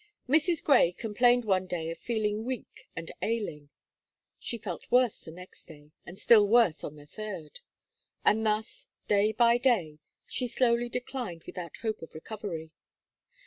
Mrs. Gray complained one day of feeling weak and ailing. She felt worse the next day, and still worse on the third. And thus, day by day, she slowly declined without hope of recovery.